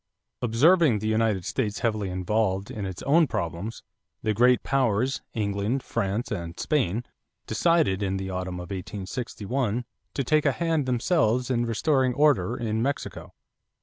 Observing the United States heavily involved in its own problems, the great powers, England, France, and Spain, decided in the autumn of 1861 to take a hand themselves in restoring order in Mexico.